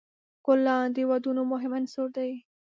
ګلان د ودونو مهم عنصر دی.